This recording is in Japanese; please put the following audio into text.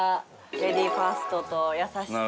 レディーファーストと優しさと。